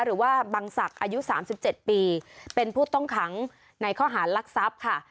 หรือว่าบังสักอายุสามสิบเจ็ดปีเป็นผู้ต้องขังในข้อหารลักทรัพย์ค่ะ